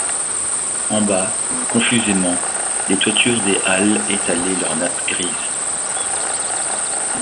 En bas, confusément, les toitures des Halles étalaient leurs nappes grises.